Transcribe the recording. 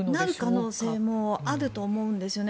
なる可能性もあると思うんですね。